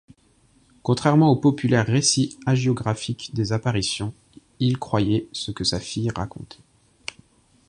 Contrairement aux populaires récits hagiographiques des apparitions, il croyait ce que sa fille racontait.